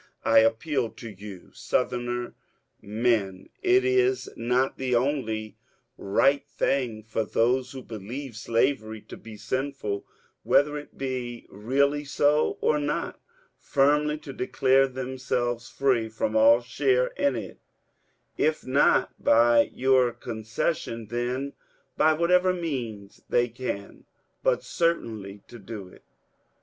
I appeal to you. Southern men, is it not the only right thing for those who believe slavery to be sinful, whether it be really so or not, firmly to declare themselves free from all share in it, if not by your concession, then by whatever means they can, but certainly to do it?